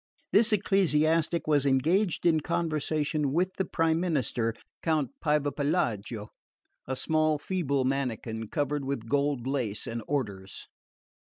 This ecclesiastic was engaged in conversation with the Prime Minister, Count Pievepelago, a small feeble mannikin covered with gold lace and orders.